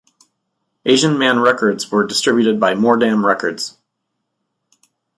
Asian Man Records were distributed by Mordam Records.